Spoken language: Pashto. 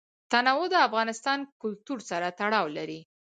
تنوع د افغان کلتور سره تړاو لري.